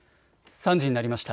３時になりました。